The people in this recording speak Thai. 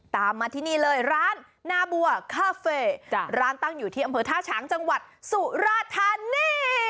ตามมาที่นี่เลยร้านนาบัวคาเฟ่ร้านตั้งอยู่ที่อำเภอท่าฉางจังหวัดสุราธานี